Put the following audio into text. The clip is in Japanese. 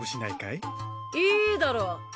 いいだろう。